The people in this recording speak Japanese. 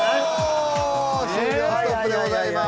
終了ストップでございます。